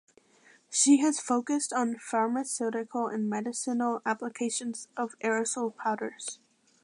She has focussed on pharmaceutical and medicinal applications of aerosol powders.